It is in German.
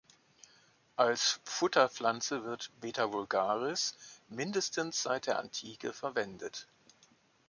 Als Futterpflanze wird "Beta vulgaris" mindestens seit der Antike verwendet.